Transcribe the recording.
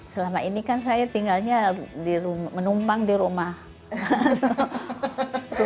selama ini kan saya tinggalnya menumpang di rumah